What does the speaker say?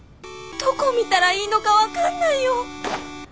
どこ見たらいいのか分かんないよ。